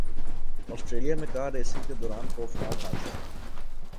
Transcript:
Australia میں car racing کے دوران خوفناک حادثہ